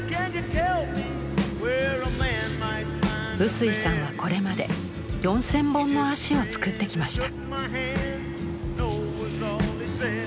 臼井さんはこれまで４，０００本の足を作ってきました。